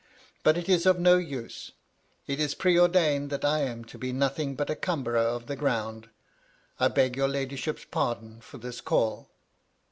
But it is of no use. It is preordained that I am to be nothing but a cumberer of the ground. I beg your ladyship's pardon for this call."